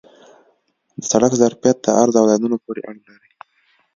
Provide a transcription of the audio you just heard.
د سړک ظرفیت د عرض او لینونو پورې اړه لري